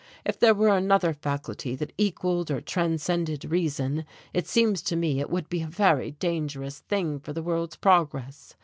If there were another faculty that equalled or transcended reason, it seems to me it would be a very dangerous thing for the world's progress.